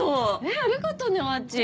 ありがとねあーちん。